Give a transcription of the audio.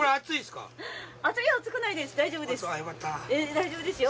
大丈夫ですよ。